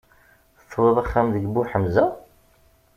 Tuɣeḍ axxam deg Buḥemza?